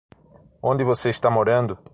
Onde você está morando?